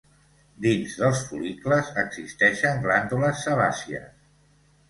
Dins dels fol·licles existeixen glàndules sebàcies.